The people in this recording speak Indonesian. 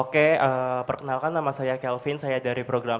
kalau kan nama saya kelvin saya dari program